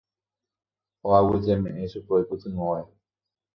Oaguyjeme'ẽ chupe ipytyvõre.